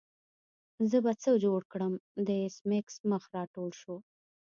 زه به څه جوړ کړم د ایس میکس مخ راټول شو